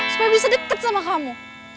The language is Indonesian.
supaya bisa deket sama kamu